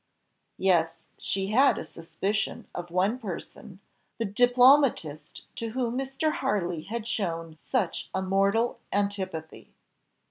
Yes, she had a suspicion of one person, the diplomatist to whom Mr. Harley had shown such a mortal antipathy.